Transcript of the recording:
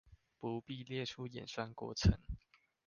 不必列出演算過程